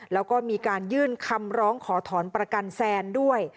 แล้วก็มีการยื่นคำร้องขอถอนประกันแซนด้วย